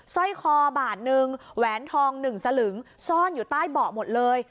สร้อยคอบาทนึงแหวนทอง๑สลึงซ่อนอยู่ใต้เบาะหมดเลย